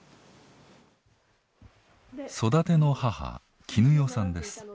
育ての母絹代さんです。